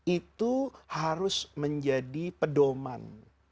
itu harus menjadi pedoman